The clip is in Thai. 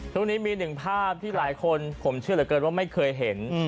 ตรงนี้มีหนึ่งภาพที่หลายคนผมเชื่อเหลือเกินว่าไม่เคยเห็น